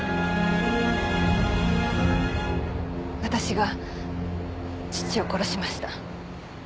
私が父を殺しました。